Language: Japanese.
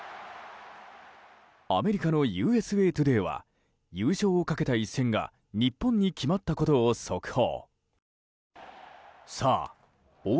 アメリカのＵＳＡトゥデーは優勝をかけた一戦が日本に決まったことを速報。